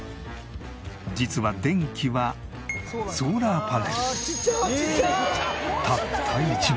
実は電気はソーラーパネルたった１枚。